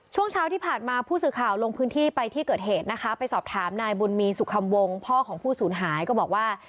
ช่วงเช้าที่ผ่านมาผู้สื่อข่าวลงพื้นที่ไปที่เกิดเหตุนะคะไปสอบถามนายบุญมีสุขัมวงพ่อของผู้สูญหายก็บอกว่า